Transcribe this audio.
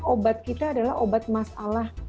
obat kita adalah obat masalah